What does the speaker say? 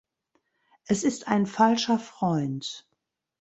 Es ist ein Falscher Freund.